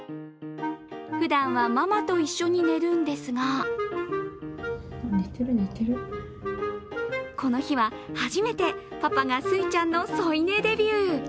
ふだんはママと一緒に寝るんですがこの日は初めてパパがすいちゃんの添い寝デビュー。